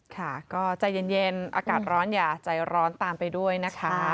ค่ะก็ใจเย็นอากาศร้อนอย่าใจร้อนตามไปด้วยนะคะ